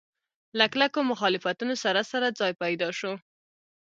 له کلکو مخالفتونو سره سره ځای پیدا شو.